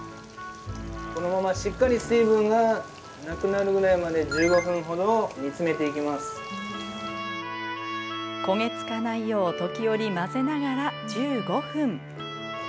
このまましっかり水分がなくなるぐらいまで焦げ付かないよう時折混ぜながら１５分。